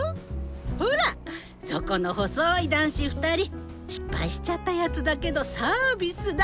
ほらそこの細い男子２人失敗しちゃったやつだけどサービスだ。